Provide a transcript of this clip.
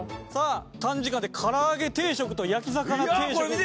さあ短時間でから揚げ定食と焼き魚定食。